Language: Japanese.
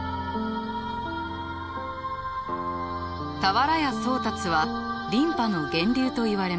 俵屋宗達は琳派の源流といわれます。